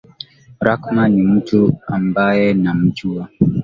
Rahma ni mtu ambaye ninamjua